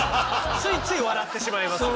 ついつい笑ってしまいますよね。